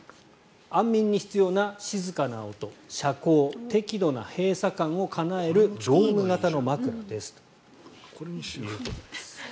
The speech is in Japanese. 安眠に必要な静かな音、遮光適度な閉塞感をかなえるドーム型の枕ですということです。